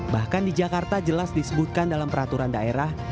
bahkan di jakarta jelas disebutkan dalam peraturan daerah